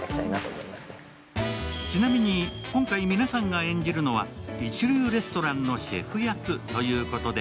ちなみに、今回皆さんが演じるのは一流レストランのシェフ役ということで、